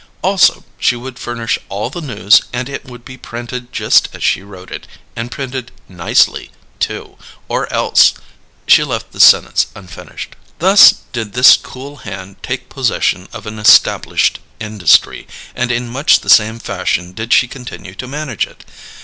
Also, she would furnish all the news and it would be printed just as she wrote it, and printed nicely, too, or else She left the sentence unfinished. Thus did this cool hand take possession of an established industry, and in much the same fashion did she continue to manage it.